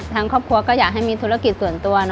ทางครอบครัวก็อยากให้มีธุรกิจส่วนตัว